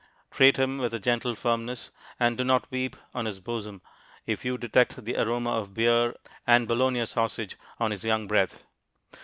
Treat him with a gentle firmness, and do not weep on his bosom if you detect the aroma of beer and bologna sausage on his young breath.